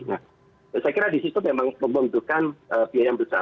nah saya kira di situ memang membutuhkan biaya yang besar